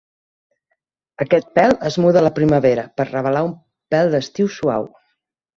Aquest pèl es muda a la primavera per revelar un pèl d'estiu suau.